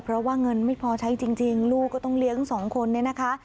เพราะว่าเงินไม่พอใช้จริงลูกก็ต้องเลี้ยงสองคนเนี่ยนะคะ